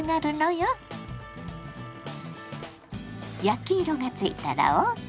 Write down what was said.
焼き色がついたらＯＫ。